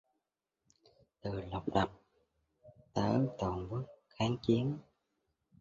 Từ Độc lập tới Toàn quốc kháng chiến